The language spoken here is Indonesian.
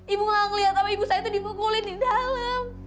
ibu gak ngeliat sama ibu saya itu dipukulin di dalam